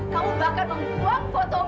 kamu bahkan mengguang foto mia